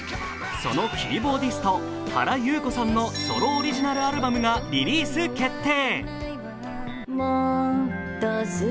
そのキーボーディスト、原由子さんのソロオリジナルアルバムがリリース決定。